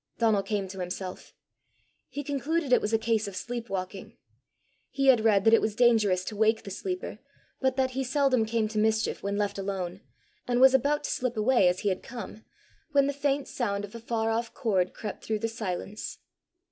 Donal came to himself. He concluded it was a case of sleepwalking. He had read that it was dangerous to wake the sleeper, but that he seldom came to mischief when left alone, and was about to slip away as he had come, when the faint sound of a far off chord crept through the silence.